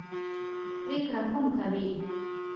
پرېکړه کوم کوي.